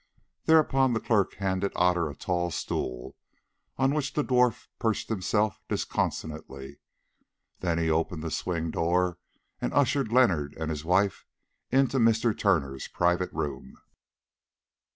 Thereupon the clerk handed Otter a tall stool, on which the dwarf perched himself disconsolately. Then he opened the swing door and ushered Leonard and his wife into Mr. Turner's private room.